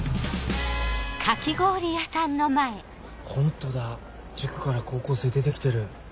ホントだ塾から高校生出て来てる。